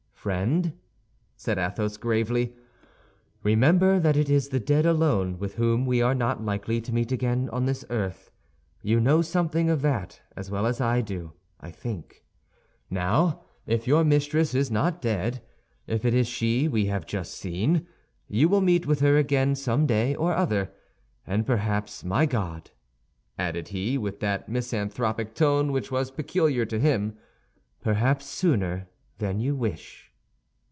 "Friend," said Athos, gravely, "remember that it is the dead alone with whom we are not likely to meet again on this earth. You know something of that, as well as I do, I think. Now, if your mistress is not dead, if it is she we have just seen, you will meet with her again some day or other. And perhaps, my God!" added he, with that misanthropic tone which was peculiar to him, "perhaps sooner than you wish."